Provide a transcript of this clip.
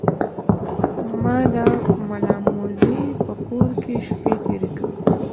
ما د ملامموزي په کور کې شپې تیرې کړې.